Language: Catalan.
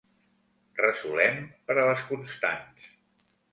Resolem per a les constants.